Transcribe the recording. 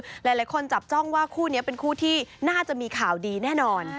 หลายคนจับจ้องว่าคู่นี้เป็นคู่ที่น่าจะมีข่าวดีแน่นอน